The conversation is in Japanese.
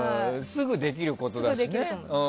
すぐできることだしね。